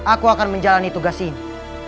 aku akan menjalani tugas ini